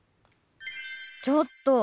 ちょっと！